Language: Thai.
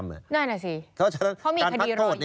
น่านะสิเพราะมีคดีรออยู่เพราะฉะนั้นการพักโทษ